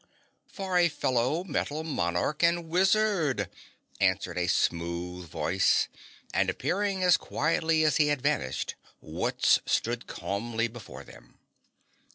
"For a fellow Metal Monarch and Wizard," answered a smooth voice, and appearing as quietly as he had vanished, Wutz stood calmly before them.